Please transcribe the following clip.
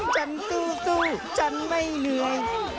ฉันตู้ตู้ฉันไม่เหนื่อย